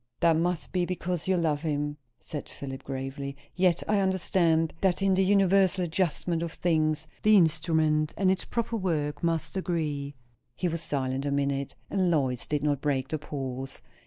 "That must be because you love him," said Philip gravely. "Yet I understand, that in the universal adjustment of things, the instrument and its proper work must agree." He was silent a minute, and Lois did not break the pause.